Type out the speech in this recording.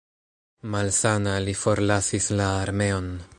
Malsana, li forlasis la armeon.